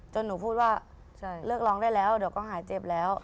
หนูพูดว่าเลิกร้องได้แล้วเดี๋ยวก็หายเจ็บแล้ว